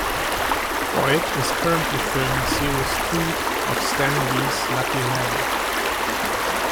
Boyd is currently filming series two of Stan Lee's Lucky Man.